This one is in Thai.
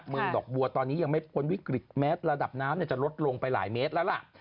เมืองดอกบัวตอนนี้ยังไม่พ้นวิกฤตแม้ระดับน้ำจะลดลงไปหลายเมตรแล้วล่ะ